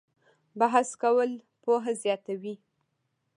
بحث کول پوهه زیاتوي؟